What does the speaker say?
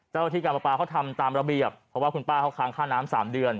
เจ้าที่การประปาเขาทำตามระเบียบเพราะว่าคุณป้าเขาค้างค่าน้ำ๓เดือน